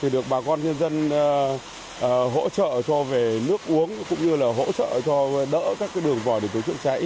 được bà con nhân dân hỗ trợ cho về nước uống cũng như là hỗ trợ cho đỡ các đường vòi để tới chữa cháy